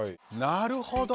なるほど。